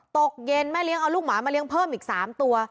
ตกเย็นแม่เลี้ยงเอาลูกหมามาเลี้ยงเพิ่มอีก๓ตัว